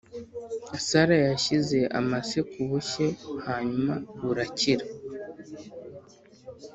sara yashyize amase ku bushye hanyuma burakira.